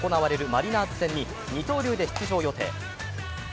マリナーズ戦に二刀流で出場予定。